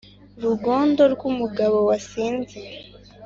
Rugondo rw'umugabo wasinze